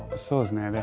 そうですね。